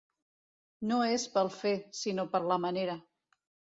No és pel fer, sinó per la manera.